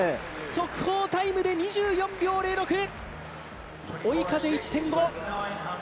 速報タイム２４秒０６、追い風１．５。